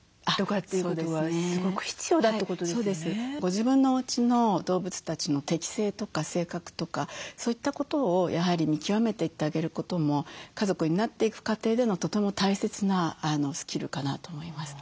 自分のおうちの動物たちの適性とか性格とかそういったことをやはり見極めていってあげることも家族になっていく過程でのとても大切なスキルかなと思います。